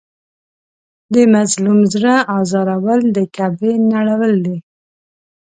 د مظلوم زړه ازارول د کعبې نړول دي.